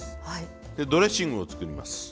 でドレッシングを作ります。